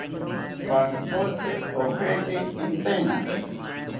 Pankotzi ojeki intaena